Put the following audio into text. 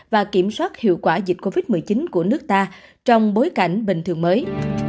và kiểm soát hiệu quả dịch covid một mươi chín của nước ta trong bối cảnh bình thường mới